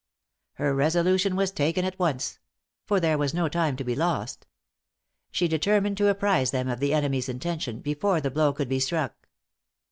Her resolution was taken at once; for there was no time to be lost. She determined to apprise them of the enemy's intention, before the blow could be struck.